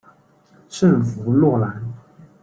圣弗洛兰。